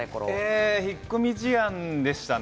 引っ込み思案でしたね。